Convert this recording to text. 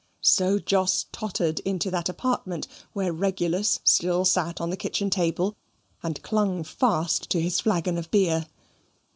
So Jos tottered into that apartment where Regulus still sate on the kitchen table, and clung fast to his flagon of beer.